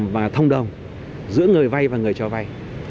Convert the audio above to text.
và thông đồng giữa người vai và người cho vai